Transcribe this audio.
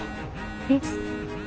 えっ？